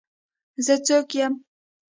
زه څوک يم.